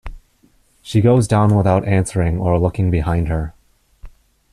She goes down without answering or looking behind her.